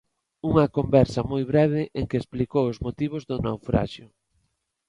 Unha conversa moi breve en que explicou os motivos do naufraxio.